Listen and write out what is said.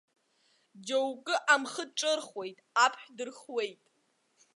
Џьоукы амхы ҿырхуеит, аԥҳә дырхуеит.